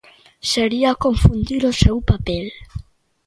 Sería confundir o seu papel.